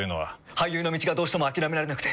俳優の道がどうしても諦められなくて。